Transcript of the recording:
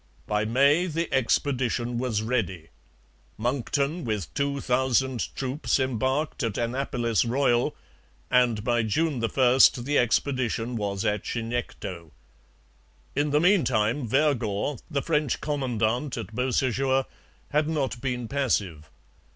By May the expedition was ready. Monckton, with two thousand troops, embarked at Annapolis Royal, and by June 1 the expedition was at Chignecto. In the meantime Vergor, the French commandant at Beausejour, had not been passive.